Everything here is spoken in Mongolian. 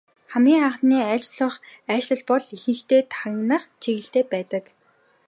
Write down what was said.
Хамгийн анхны айлчлал бол ихэнхдээ тагнах чиглэлтэй байдаг.